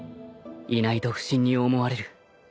いないと不審に思われる。